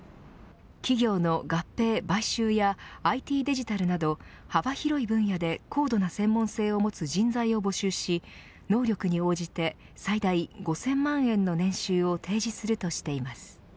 企業の合併、買収やＩＴデジタルなど幅広い分野で高度な専門性を持つ人材を募集し能力に応じて最大５０００万円の年収を提示するとしています。